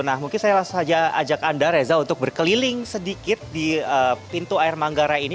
nah mungkin saya langsung saja ajak anda reza untuk berkeliling sedikit di pintu air manggarai ini